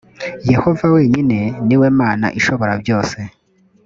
yehova wenyine ni we mana ishoborabyose